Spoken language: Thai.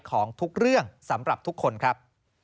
ของทุกเรื่องสำหรับทุกคนครับ